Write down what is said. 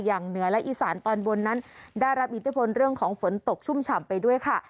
เหนือและอีสานตอนบนนั้นได้รับอิทธิพลเรื่องของฝนตกชุ่มฉ่ำไปด้วยค่ะ